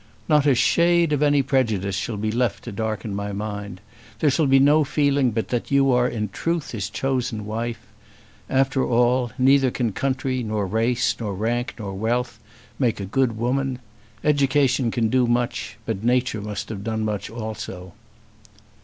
"Not a shade of any prejudice shall be left to darken my mind. There shall be no feeling but that you are in truth his chosen wife. After all neither can country, nor race, nor rank, nor wealth, make a good woman. Education can do much. But nature must have done much also."